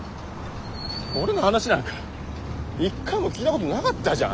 俺の話なんか一回も聞いたことなかったじゃん。